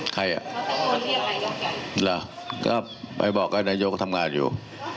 ใครอ่ะหรือไปบอกให้นายกทำงานอยู่